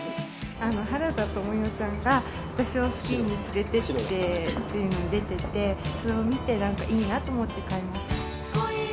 原田知世ちゃんが、私をスキーに連れてってっていうのに出てて、それを見てなんかいいなと思って買いました。